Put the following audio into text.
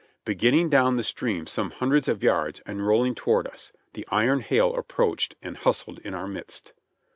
Beginning down the stream some hundreds of yards and rolling toward us. the iron hail approached and hustled in our midst.